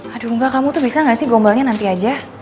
aduh enggak kamu tuh bisa nggak sih gombalnya nanti aja